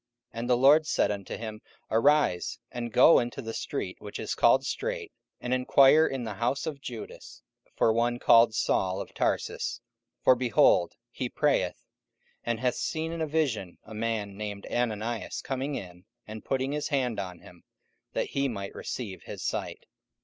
44:009:011 And the Lord said unto him, Arise, and go into the street which is called Straight, and enquire in the house of Judas for one called Saul, of Tarsus: for, behold, he prayeth, 44:009:012 And hath seen in a vision a man named Ananias coming in, and putting his hand on him, that he might receive his sight.